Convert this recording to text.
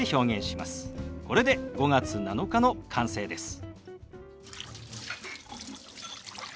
これで「５月７日」の完成です。